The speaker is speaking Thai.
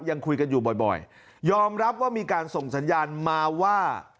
ยังคุยกันอยู่บ่อยยอมรับว่ามีการส่งสัญญาณมาว่า